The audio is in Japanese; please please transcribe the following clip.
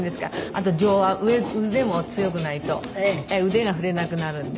あと上腕腕も強くないと腕が振れなくなるんで。